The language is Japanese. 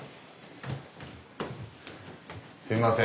すいません。